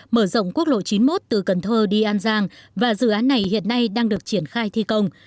mở rộng quốc lộ chín mươi một từ cần thơ đi an giang và dự án này hiện nay đang được triển khai thi công